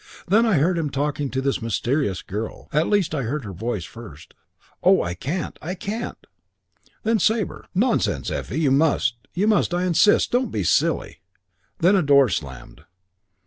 Then I heard him talking to this mysterious girl. At least I heard her voice first. 'Oh, I can't! I can't!' "Then Sabre: 'Nonsense, Effie. You must. You must. I insist. Don't be silly.' "Then a door slammed.